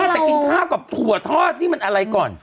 แต่กินข้าวกับถั่วทอดนี่มันอะไรก่อน